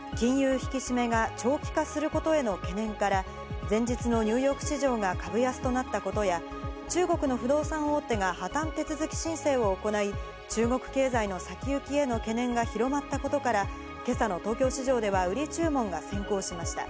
引き締めが長期化することへの懸念から、前日のニューヨーク市場が株安となったことや、中国の不動産大手が破綻手続き申請を行い、中国経済の先行きへの懸念が広まったことから、今朝の東京市場では売り注文が先行しました。